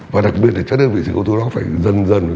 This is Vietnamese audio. và đặc biệt là các đơn vị sự nghiệp có thu đó phải dần dần